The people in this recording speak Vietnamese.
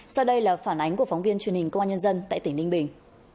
sau đây là phản ánh của phóng viên truyền hình công an nhân dân tại tỉnh ninh bình